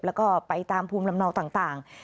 แล้วก็ไปตามภูมิลำเนาต่าง